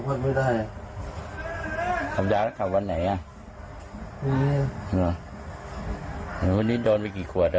ไม่ได้ทำได้แล้วทำวันไหนวันนี้วันนี้โดนไปกี่ขวด